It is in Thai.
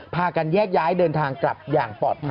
พากันแยกย้ายเดินทางกลับอย่างปลอดภัย